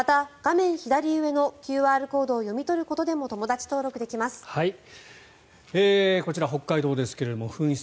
また、画面左上のＱＲコードを読み取ることでもこちら北海道ですが噴出